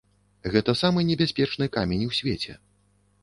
Гэта самы небяспечны камень у свеце.